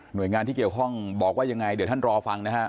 โดยงานที่เกี่ยวข้องบอกว่ายังไงเดี๋ยวท่านรอฟังนะฮะ